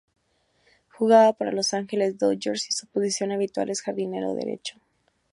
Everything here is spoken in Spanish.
Jugaba para Los Angeles Dodgers y su posición habitual es jardinero derecho.